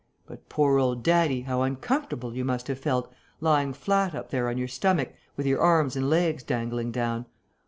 But, poor old daddy, how uncomfortable you must have felt, lying flat up there on your stomach, with your arms and legs dangling down!